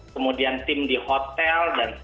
kemudian tim di hotel